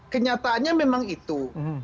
kenyataannya memang itu